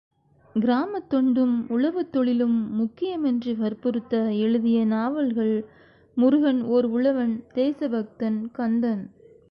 கிராமத் தொண்டும் உழவுத்தொழிலும் முக்கியமென்று வற்புறுத்த எழுதிய நாவல்கள் முருகன் ஓர் உழவன் தேசபக்தன் கந்தன்.